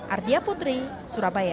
ardia putri surabaya